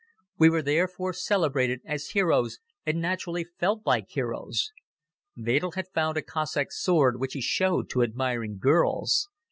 We were therefore celebrated as heroes and naturally felt like heroes. Wedel had found a Cossack sword which he showed to admiring girls.